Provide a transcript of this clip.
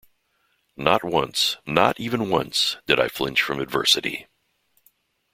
Not once, not even once, did I flinch from adversity.